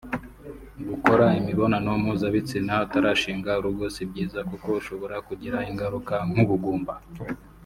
Gukora imibonano mpuzabitsina utarashinga urugo si byiza kuko ushora kugira ingaruka nk’ubugumba